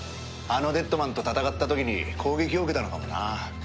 あのデッドマンと戦った時に攻撃を受けたのかもな。